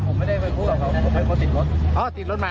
ผมไม่ได้เพื่อยพูดผมเป็นคนติดรถติดรถอ๋อติดรถมา